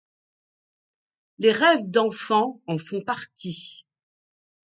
Les rêves d'enfants en font partie.